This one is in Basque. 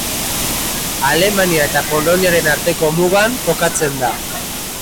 Alemania eta Poloniaren arteko mugan kokatzen da.